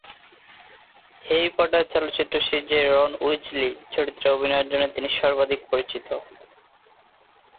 Harry Potter চলচ্চিত্র সিরিজে Ron Weasley চরিত্রে অভিনয়ের জন্য তিনি সর্বাধিক পরিচিত।